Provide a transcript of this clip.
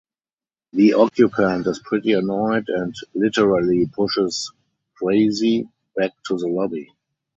The occupant is pretty annoyed and literally pushes Krazy back to the lobby.